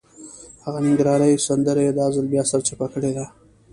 هغه ننګرهارۍ سندره یې دا ځل بیا سرچپه کړې ده.